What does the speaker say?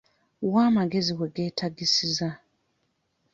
Wa amagezi we geetaagisiza.